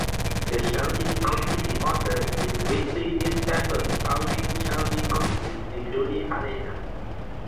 The "Shelby County Reporter" is a weekly newspaper covering Shelby County, including Helena.